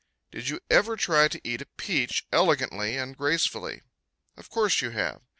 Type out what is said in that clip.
Did you ever try to eat a peach elegantly and gracefully? Of course you have.